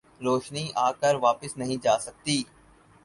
روشنی آکر واپس نہیں جاسکتی